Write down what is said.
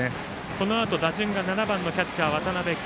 このあと打順が７番キャッチャーの渡辺憩。